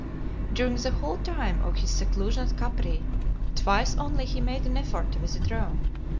LXXII. During the whole time of his seclusion at Capri, twice only he made an effort to visit Rome.